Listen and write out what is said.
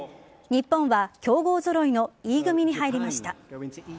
日本は強豪揃いのＥ組に入りました。